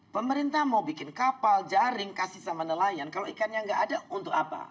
pemerintah mau bikin kapal jaring kasih sama nelayan kalau ikannya nggak ada untuk apa